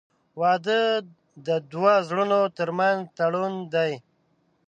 • واده د دوه زړونو تر منځ تړون دی.